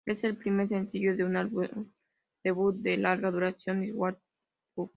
Es el primer sencillo de su álbum debut de larga duración, "Swan Songs".